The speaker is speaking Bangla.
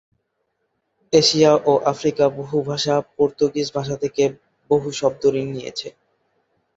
এশিয়া ও আফ্রিকার বহু ভাষা পর্তুগিজ ভাষা থেকে বহু শব্দ ঋণ নিয়েছে।